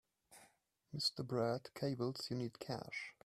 Mr. Brad cables you need cash.